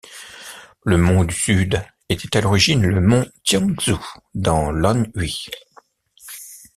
Le Mont du Sud était à l'origine le mont Tianzhu dans l'Anhui.